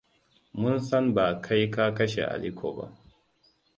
Mun san ba kai ka kashe Aliko ba.